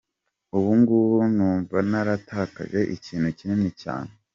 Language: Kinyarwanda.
Ubu ng’ubu numva naratakaje ikintu kinini cyane.